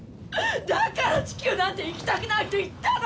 だから地球なんて行きたくないって言ったのよ！